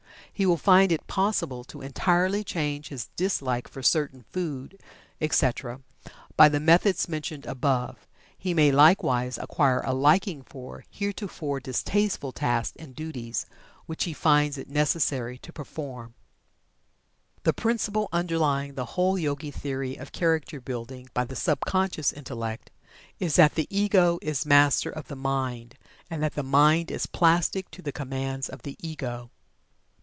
He will find it possible to entirely change his dislike for certain food, etc., by the methods mentioned above. He may likewise acquire a liking for heretofore distasteful tasks and duties, which he finds it necessary to perform. The principle underlying the whole Yogi theory of Character Building by the sub conscious Intellect, is that the Ego is Master of the mind, and that the mind is plastic to the commands of the Ego.